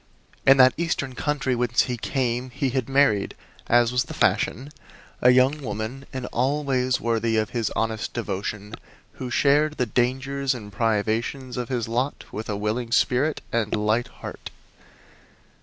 In that eastern country whence he came he had married, as was the fashion, a young woman in all ways worthy of his honest devotion, who shared the dangers and privations of his lot with a willing spirit and light heart.